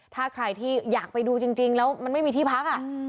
ถ้าใครที่อยากไปดูจริงแล้วมันไม่มีที่พัก